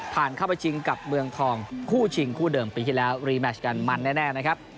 เข้าไปชิงกับเมืองทองคู่ชิงคู่เดิมปีที่แล้วรีแมชกันมันแน่นะครับ